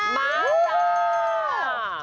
บ้าจ้า